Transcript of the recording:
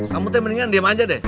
kamu mendingan diam aja deh